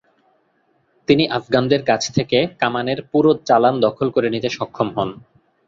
তিনি আফগানদের কাছ থেকে কামানের পুরো চালান দখল করে নিতে সক্ষম হন।